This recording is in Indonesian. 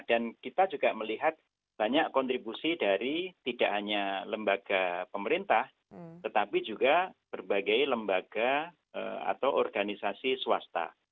dan kita juga melihat banyak kontribusi dari tidak hanya lembaga pemerintah tetapi juga berbagai lembaga atau organisasi swasta